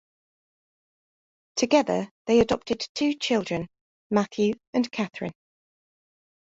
Together they adopted two children, Matthew and Katharine.